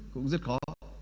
cũng rất khó